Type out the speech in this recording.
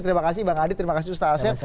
terima kasih bang adi terima kasih ustaz asyed